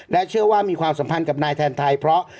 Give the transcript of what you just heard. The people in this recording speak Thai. เชื่อว่ามีความสัมพันธ์กับนายแทนไทยเพราะ